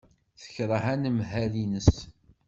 Tekṛeh anemhal-nnes.